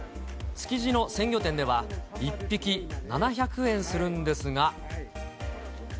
築地の鮮魚店では、１匹７００円するんですが。